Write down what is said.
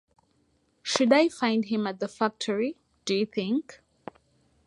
Should I find him at the factory, do you think?